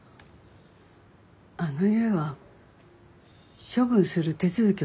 あの家は処分する手続きを取りました。